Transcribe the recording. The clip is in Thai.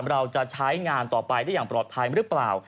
เราจะใช้งานต่อไปได้อย่างปลอดภัยหรือเปล่า